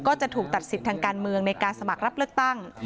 ก็จะถูกตัดสิทธิ์ทางการเมืองในการสมัครรับเลือกตั้ง